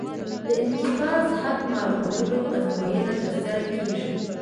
د انقباض حد معلومولو ازموینه ترسره کیږي